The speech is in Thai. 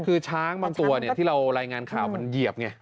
คือช้างบางตัวที่เรารายงานข่าวมันเหยียบไง